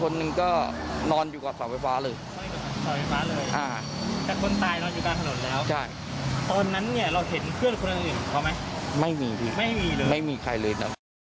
ได้ยินเสียงรถล้ม